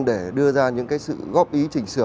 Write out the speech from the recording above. để đưa ra những sự góp ý chỉnh sửa